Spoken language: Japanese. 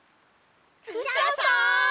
クシャさん！